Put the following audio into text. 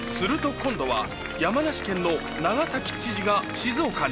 今度は山梨県の長崎知事が静岡に。